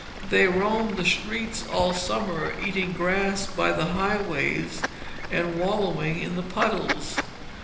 They roamed the streets all summer, eating grass by the highways and wallowing in the puddles.